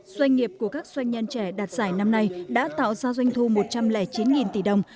doanh nghiệp của các doanh nhân trẻ đạt giải năm nay đã tạo ra doanh thu một trăm linh chín tỷ đồng